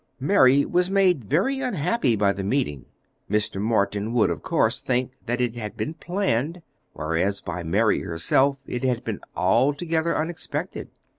Mary was made very unhappy by the meeting. Mr. Morton would of course think that it had been planned, whereas by Mary herself it had been altogether unexpected.